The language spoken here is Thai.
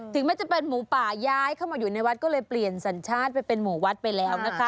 แม้จะเป็นหมูป่าย้ายเข้ามาอยู่ในวัดก็เลยเปลี่ยนสัญชาติไปเป็นหมู่วัดไปแล้วนะคะ